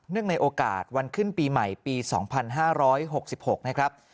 ในโอกาสวันขึ้นปีใหม่ปี๒๕๖๖นะครับ